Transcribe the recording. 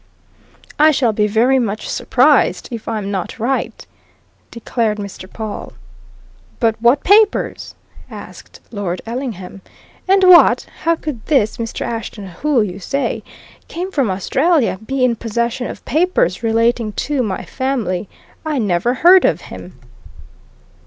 "I shall be very much surprised if I'm not right!" declared Mr. Pawle. "But what papers?" asked Lord Ellingham. "And what how could this Mr. Ashton, who, you say, came from Australia, be in possession of papers relating to my family? I never heard of him."